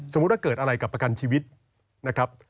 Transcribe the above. สมมุติถ้าเกิดอะไรกับประกันชีวิตนะครับ